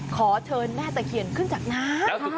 ขอเชิญแม่ตะเคียนขึ้นจากน้ำ